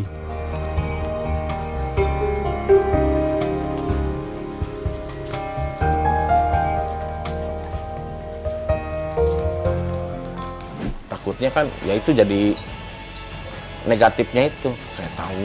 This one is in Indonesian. kepuasan batin ini juga menunjukkan kepalanya menjadi lebih positif jadi mereka bisa menemukan kemampuan untuk menghasilkan kemampuan yang lebih baik lagi